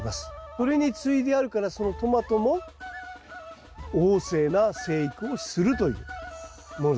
それに接いであるからそのトマトも旺盛な生育をするというものです。